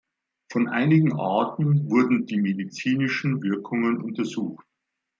Von einigen Arten wurden die medizinischen Wirkungen untersucht.